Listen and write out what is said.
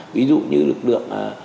ví dụ như lực lượng